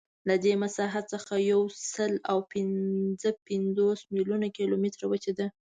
له دې مساحت څخه یوسلاوپینځهپنځوس میلیونه کیلومتره وچه ده.